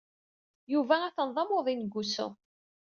Yuba atan d amuḍin deg wusu.